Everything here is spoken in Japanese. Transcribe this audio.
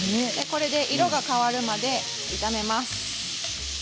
色が変わるまで炒めます。